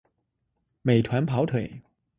美团跑腿